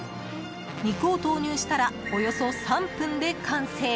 肉を投入したらおよそ３分で完成！